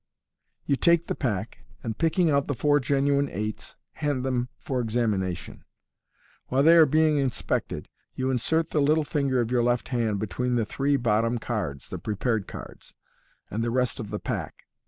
You take the pack, and picking out the four genuine eights, hand them for examination. While they are being inspected, you insert the little finger of your left hand between the three bottom cards (the prepared cards) and the rest of the pack.